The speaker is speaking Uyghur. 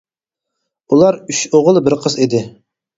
ئۇلار ئۈچ ئوغۇل بىر قىز ئىدى.